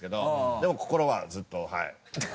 でも心はずっとはい。